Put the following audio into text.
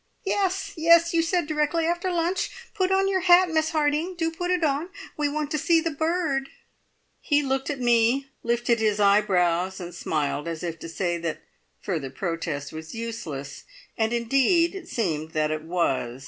"Yes! Yes! You said directly after lunch. Put on your hat, Miss Harding do put it on! We want to see the bird." He looked at me, lifted his eyebrows, and smiled as if to say that further protest was useless, and indeed it seemed that it was.